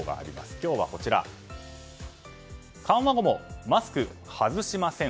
今日はこちら緩和後もマスク外しません。